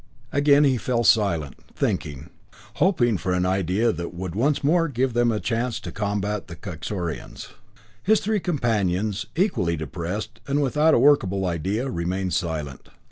Again he fell silent, thinking hoping for an idea that would once more give them a chance to combat the Kaxorians. His three companions, equally depressed and without a workable idea, remained silent.